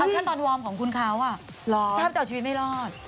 ถ้าตอนวอร์มของคุณเขาแทบจะเอาชีวิตไม่รอด